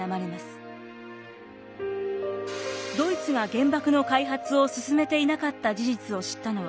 ドイツが原爆の開発を進めていなかった事実を知ったのは後のことでした。